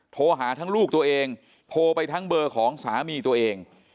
โทรหาทั้งลูกตัวเองโทรไปทั้งเบอร์ของสามีตัวเอง